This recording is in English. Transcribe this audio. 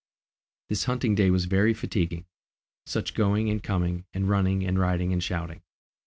This hunting day was very fatiguing. Such going and coming, and running and riding and shouting!